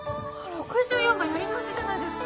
６４番やり直しじゃないですか。